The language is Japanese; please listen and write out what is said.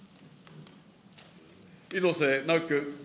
猪瀬直樹君。